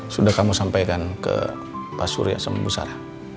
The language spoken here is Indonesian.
sudah kamu sampaikan ke pak surya sama bu sarah